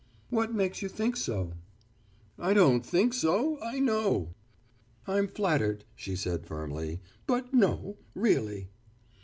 "What makes you think so?" "I don't think so; I know." "I'm flattered," she said firmly. "But no really."